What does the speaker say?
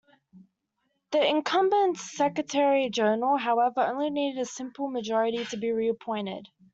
The incumbent Secretary General however only needed a simple majority to be re-appointed.